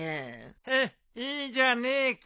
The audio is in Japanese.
ヘッいいじゃねえか。